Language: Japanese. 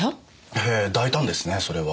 へえ大胆ですねそれは。